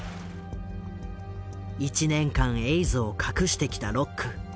１年間エイズを隠してきたロック。